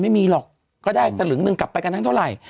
ไม่มีหรอกก็ได้สลึงหนึ่งกลับไปกันทั้งเท่าไหร่